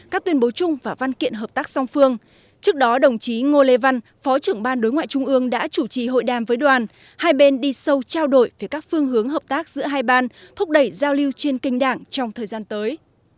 các tuyên bố chung và văn kiện hợp tác song phương trước đó đồng chí ngô lê văn phó trưởng ban đối ngoại trung ương đã chủ trì hội đàm với đoàn hai bên đi sâu trao đổi về các phương hướng hợp tác giữa hai ban thúc đẩy giao lưu trên kênh đảng trong thời gian tới